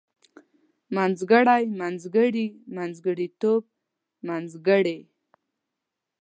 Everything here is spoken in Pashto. منځګړی منځګړي منځګړيتوب منځګړۍ